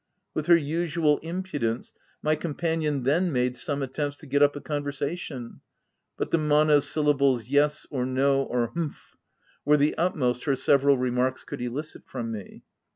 With her usual impudence, my companion then made some attempts to get up a conversation ; but the monosyllables \ yes/ or 4 no/ or c humph/ were the utmost her several remarks could elicit from me.